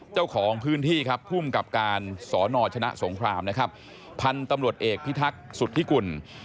เจ้าของพื้นที่พุ่มกับการศนชนะสงครามพันธุ์ตำรวจเอกพิทักษ์สุธิกุล